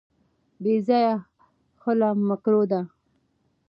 بې ځایه خلع مکروه ده.